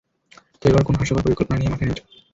তো, এবার কোন হাস্যকর পরিকল্পনা নিয়ে মাঠে নেমেছো?